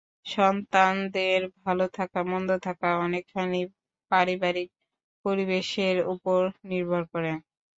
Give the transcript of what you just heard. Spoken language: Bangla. সন্তানদের ভালো থাকা, মন্দ থাকা অনেকখানি পারিবারিক পরিবেশের ওপর নির্ভর করে।